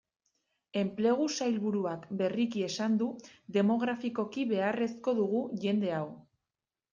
Enplegu sailburuak berriki esan du, demografikoki beharrezko dugu jende hau.